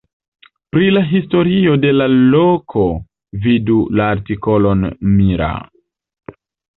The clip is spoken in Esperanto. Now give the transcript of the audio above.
Pri la historio de la loko vidu la artikolon Mira.